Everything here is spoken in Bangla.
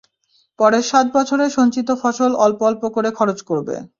পরের সাত বছরে সঞ্চিত ফসল অল্প অল্প করে খরচ করবে।